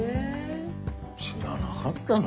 知らなかったの？